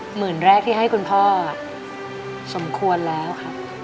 หมื่นแรกที่ให้คุณพ่อสมควรแล้วครับ